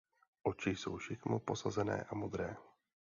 Oči jsou šikmo posazené a modré.